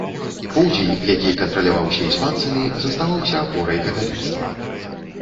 Поўдзень, які кантраляваўся іспанцамі, заставаўся апорай каталіцтва.